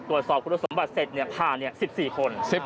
ตรวจสอบคุณผู้สมบัติเสร็จเนี่ยพา๑๔คน